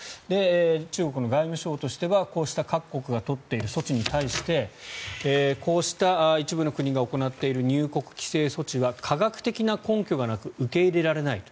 中国の外務省としてはこうした各国が取っている措置に対してこうした一部の国が行っている入国規制措置は科学的な根拠がなく受け入れられないと。